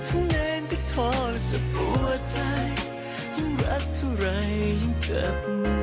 ฉันเองก็ทอดจากหัวใจยังรักเท่าไรยังจำ